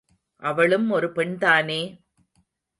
அவளும் ஒரு பெண்தானே!